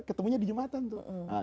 ketemunya di jumatan tuh